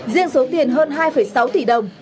riêng số tiền hơn hai sáu tỷ đồng